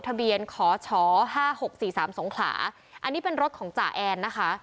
ทะเบียนขอชห้าหกสี่สามสงขลาอันนี้เป็นรถของจ่าแอนนะคะ